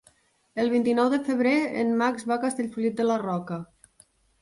El vint-i-nou de febrer en Max va a Castellfollit de la Roca.